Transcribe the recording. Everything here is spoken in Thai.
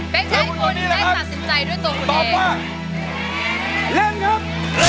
เพลงที่๕นี้นะครับตอบว่าเล่นครับ